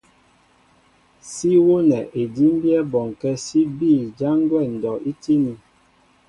Sí wónɛ edímbyɛ́ bɔŋkɛ́ sí bîy jǎn gwɛ́ ndɔ' í tíní.